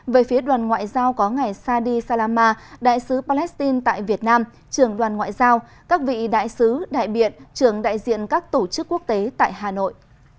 về phía đoàn ngoại giao có ngài sadi salama đại sứ palestine tại việt nam trưởng đoàn ngoại giao các vị đại sứ đại biện trưởng đại diện các tổ chức quốc tế tại hà nội